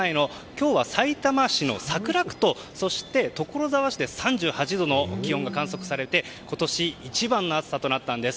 今日はさいたま市の桜区とそして、所沢市で３８度の気温が観測されて今年一番の暑さとなったんです。